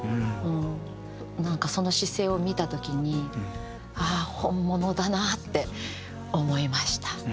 なんかその姿勢を見た時にああ本物だなって思いました。